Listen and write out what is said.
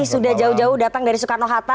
sudah jauh jauh datang dari soekarno hatta